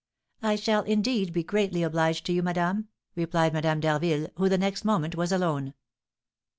"I shall, indeed, be greatly obliged to you, madame," replied Madame d'Harville, who the next moment was alone.